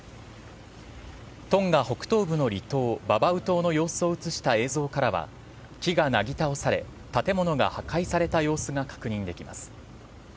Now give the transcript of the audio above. トンガ北東部の離島ババウ島の様子を映した映像からは木がなぎ倒され建物が破壊された様子が確認できます。